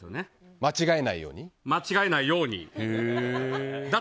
間違えないように。